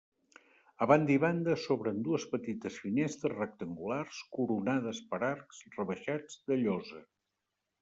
A banda i banda s'obren dues petites finestres rectangulars coronades per arcs rebaixats de llosa.